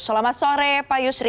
selamat sore pak yusri